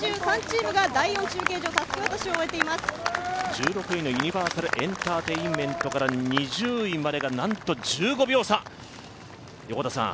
１６位のユニバーサルエンターテインメントから２０位までが、なんと１５秒差！